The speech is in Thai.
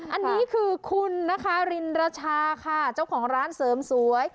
อันนี้คือคุณนะคะรินรชาค่ะเจ้าของร้านเสริมสวย